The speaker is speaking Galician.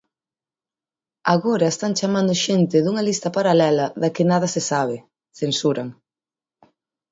"Agora están chamando xente dunha lista paralela da que nada se sabe", censuran.